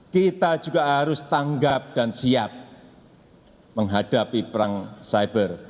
kita juga harus tanggap dan siap menghadapi perang cyber